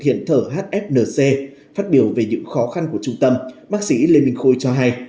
hiện thở hfnc phát biểu về những khó khăn của trung tâm bác sĩ lê minh khôi cho hay